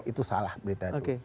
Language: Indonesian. itu salah berita itu